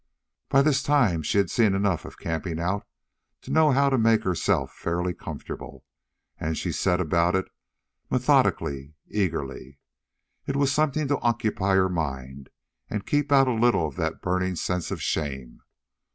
By this time she had seen enough of camping out to know how to make herself fairly comfortable, and she set about it methodically, eagerly. It was something to occupy her mind and keep out a little of that burning sense of shame.